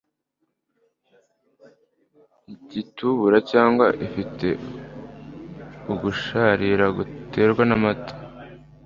igitubura cyangwa ifite ugusharira gutewe n’amata